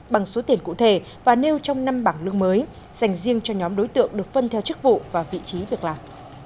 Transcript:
bằng số tiền cụ thể và nêu trong năm bảng lương mới dành riêng cho nhóm đối tượng được phân theo chức vụ và vị trí việc làm